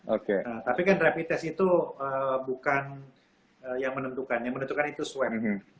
oke tapi kan rapid test itu bukan yang menentukan yang menentukan itu swab